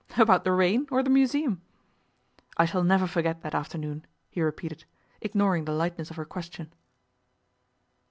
'About the rain, or the museum?' 'I shall never forget that afternoon,' he repeated, ignoring the lightness of her question.